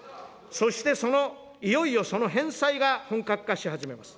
そして、その、いよいよ、その返済が本格化し始めます。